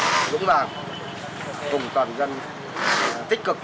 kinh tế đúng đoàn cùng toàn dân tích cực